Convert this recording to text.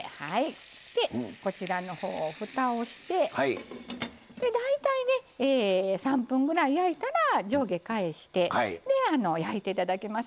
こちらの方をふたをして大体ね３分ぐらい焼いたら上下返して焼いて頂きます。